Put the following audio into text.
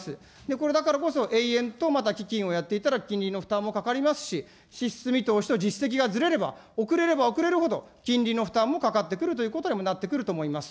これだからこそ、永遠とまた基金をやっていたら金利の負担もかかりますし、支出見通しと実質的にずれであれば遅れれば遅れるほど金利の負担もかかってくるということにもなってくると思います。